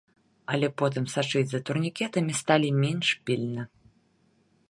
Але потым сачыць за турнікетамі сталі менш пільна.